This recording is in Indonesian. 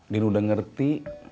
din udah ngerti